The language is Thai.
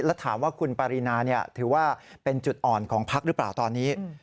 แล้วถามว่าคุณปารีนาถือว่าเป็นจุดอ่อนของพักหรือเปล่าตอนนี้